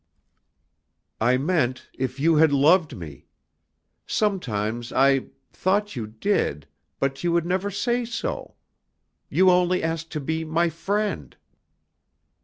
"I meant if you had loved me. Sometimes I thought you did, but you would never say so. You only asked to be 'my friend.'"